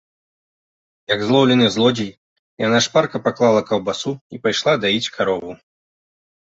Як злоўлены злодзей, яна шпарка паклала каўбасу і пайшла даіць карову.